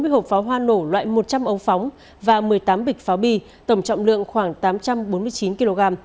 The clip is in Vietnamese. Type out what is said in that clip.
bốn mươi hộp pháo hoa nổ loại một trăm linh ống phóng và một mươi tám bịch pháo bi tổng trọng lượng khoảng tám trăm bốn mươi chín kg